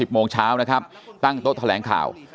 โมงเช้านะครับตั้งโต๊ะแถลงข่าว